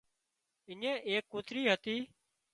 اڃين ايڪ ڪوترِي هتي